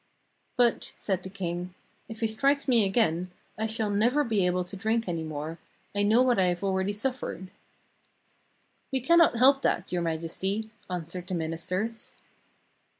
'But,' said the king, *if he strikes me again, I shall never be able to drink any more; I know what I have already suffered.' *We can not help that. Your Majesty,' answered the ministers.